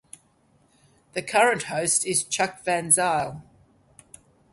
The current host is Chuck Van Zyl.